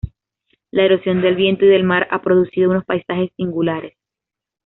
La erosión del viento y del mar ha producido unos paisajes singulares.